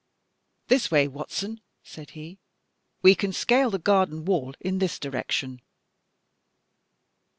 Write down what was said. "This way, Watson," said he, "we can scale the garden wall in this direction."